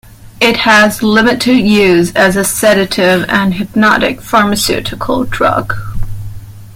It has limited use as a sedative and hypnotic pharmaceutical drug.